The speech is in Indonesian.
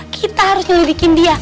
kita harus nyelidikin dia